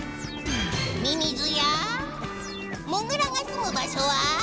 ミミズやモグラがすむばしょは？